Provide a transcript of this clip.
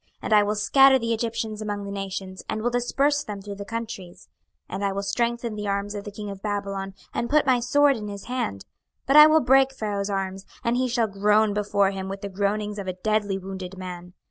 26:030:023 And I will scatter the Egyptians among the nations, and will disperse them through the countries. 26:030:024 And I will strengthen the arms of the king of Babylon, and put my sword in his hand: but I will break Pharaoh's arms, and he shall groan before him with the groanings of a deadly wounded man.